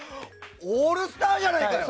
オールスターじゃないかよ！